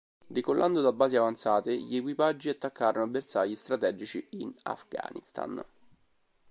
Decollando da basi avanzate, gli equipaggi attaccarono bersagli strategici in Afghanistan.